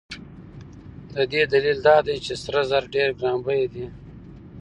د دې دلیل دا دی چې سره زر ډېر ګران بیه دي.